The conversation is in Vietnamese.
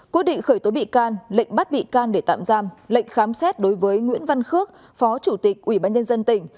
quyết định khởi tố bị can lệnh bắt bị can để tạm giam lệnh khám xét đối với nguyễn văn khước phó chủ tịch ủy ban nhân dân tỉnh